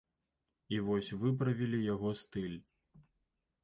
І вось выправілі яго стыль.